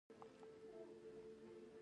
ورو ورو په نورستاني ژبه کې لهجې را منځته کړي.